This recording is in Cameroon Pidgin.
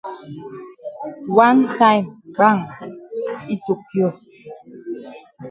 Wan time gbam yi tokio.